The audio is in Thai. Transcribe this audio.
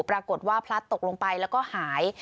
ปรากฏว่าพลัดตกลงไปแล้วก็หาย